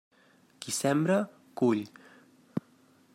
Qui sembra, cull.